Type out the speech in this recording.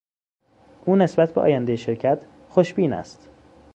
او نسبت به آیندهی شرکت خوشبین است.